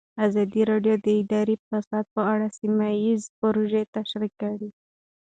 ازادي راډیو د اداري فساد په اړه سیمه ییزې پروژې تشریح کړې.